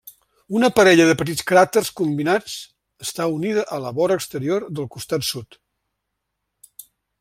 Una parella de petits cràters combinats està unida a la vora exterior del costat sud.